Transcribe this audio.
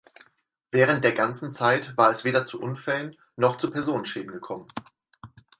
Während der ganzen Zeit war es weder zu Unfällen noch zu Personenschäden gekommen.